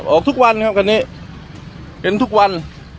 ออกทุกวันครับวันนี้เป็นทุกวัน